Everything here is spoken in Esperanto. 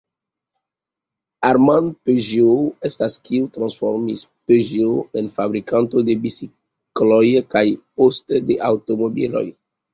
Armand Peugeot estas kiu transformis Peugeot en fabrikanto de bicikloj kaj, poste, de aŭtomobiloj.